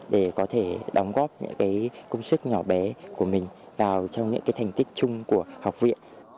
để có thể đóng góp những công sức nhỏ bé của mình vào trong những thành tích chung của học viện